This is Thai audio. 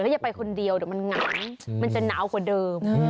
อย่าไปคนเดียวเดี๋ยวมันหงายมันจะหนาวกว่าเดิม